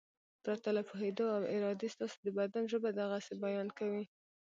پرته له پوهېدو او ارادې ستاسې د بدن ژبه د غسې بیان کوي.